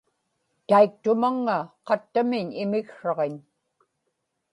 taiktumaŋŋa qattamiñ imiksraġiñ